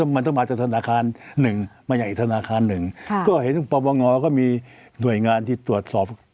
มันต้องมาจากธนาคารหนึ่งมาอย่างอีกธนาคารหนึ่งก็เห็นปปงก็มีหน่วยงานที่ตรวจสอบ